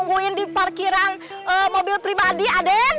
baker aja lagi nungguin di parkiran mobil pribadi aden